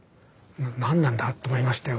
何なんだと思いましたよ。